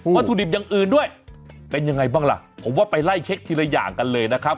ถุดิบอย่างอื่นด้วยเป็นยังไงบ้างล่ะผมว่าไปไล่เช็คทีละอย่างกันเลยนะครับ